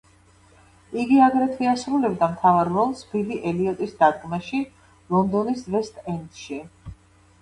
იგი აგრეთვე ასრულებდა მთავარ როლს „ბილი ელიოტის“ დადგმაში, ლონდონის ვესტ-ენდში.